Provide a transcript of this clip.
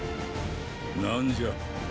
何じゃ。